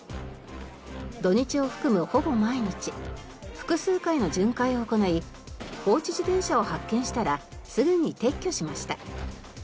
土日を含むほぼ毎日複数回の巡回を行い放置自転車を発見したらすぐに撤去しました。